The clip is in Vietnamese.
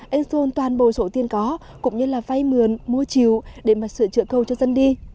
anh dũng toàn bộ sổ tiền có cũng như là vay mườn mua chiều để mà sửa chữa cầu cho dân đi